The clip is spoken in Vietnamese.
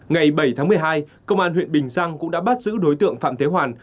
ngày bảy tháng một mươi hai công an huyện bình giang cũng đã bắt giữ đối tượng phạm thế hoàn